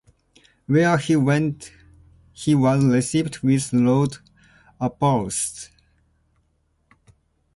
Where he went he was received with loud applause.